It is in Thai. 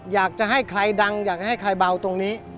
อยากจะให้ใครดังอยากจะให้ใครเบาตรงนี้